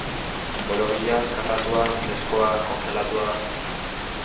Borobila, karratua, freskoa, kongelatua.